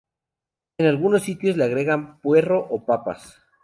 En algunos sitios le agregan puerro o papas.